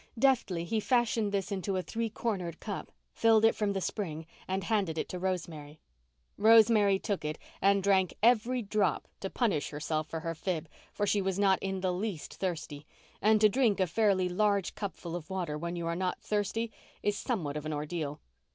Deftly he fashioned this into a three cornered cup, filled it from the spring, and handed it to Rosemary. Rosemary took it and drank every drop to punish herself for her fib, for she was not in the least thirsty, and to drink a fairly large cupful of water when you are not thirsty is somewhat of an ordeal.